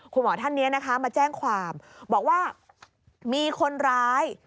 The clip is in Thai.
คุณหมอท่านนี้นะคะมาแจ้งความบอกว่ามีคนร้าย